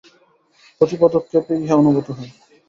প্রতি পদক্ষেপে ইহা অনুভূত হয়।